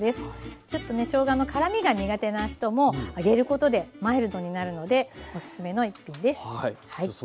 ちょっとねしょうがの辛みが苦手な人も揚げることでマイルドになるのでおすすめの１品です。